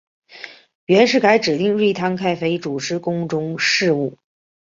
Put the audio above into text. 袁世凯指定端康太妃主持宫中事务。